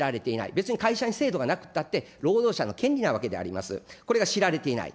別に会社に制度がなくったって、労働者の権利なわけであります。これが知られていない。